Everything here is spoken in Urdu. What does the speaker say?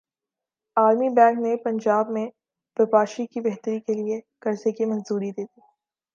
عالمی بینک نے پنجاب میں بپاشی کی بہتری کیلئے قرضے کی منظوری دے دی